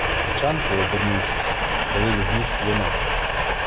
Тачанки, обернувшись, дали вогню з кулеметів.